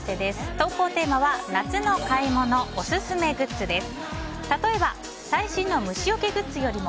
投稿テーマは夏の買い物＆オススメグッズです。